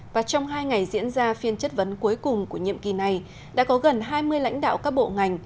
và trong hai ngày diễn ra phiên chất vấn cuối cùng của nhiệm kỳ này đã có gần hai mươi lãnh đạo các bộ ngành